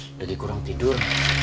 udah dikurang tidur